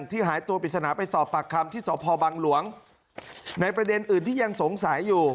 หายตัวปริศนาไปสอบปากคำที่สพบังหลวงในประเด็นอื่นที่ยังสงสัยอยู่